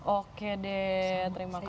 oke dea terima kasih